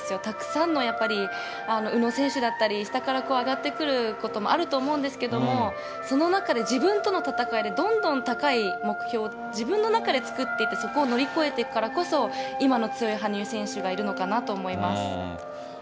たくさんのやっぱり、宇野選手だったリ、下から上がってくることもあると思うんですけども、その中で自分との闘いで、どんどん高い目標を自分の中で作っていって、そこを乗り越えていくからこそ、今の強い羽生選手がいるのかなと思います。